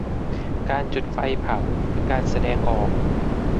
การจุดไฟเผา คือการแสดงออก